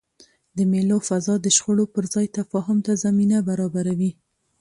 د مېلو فضا د شخړو پر ځای تفاهم ته زمینه برابروي.